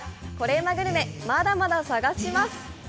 うまグルメ、まだまだ探します！